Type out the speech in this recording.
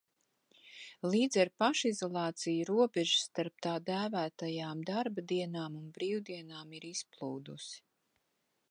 Līdz ar pašizolāciju robeža starp tā dēvētajām darba dienām un brīvdienām ir izplūdusi.